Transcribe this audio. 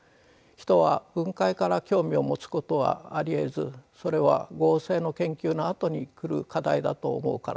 人は分解から興味を持つことはありえずそれは合成の研究のあとに来る課題だと思うからです。